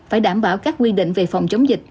phải đảm bảo các quy định về phòng chống dịch